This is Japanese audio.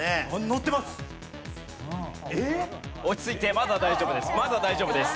落ち着いてまだ大丈夫です。